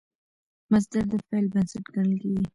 مصدر د فعل بنسټ ګڼل کېږي.